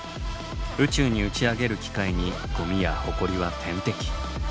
宇宙に打ち上げる機械にゴミやホコリは天敵。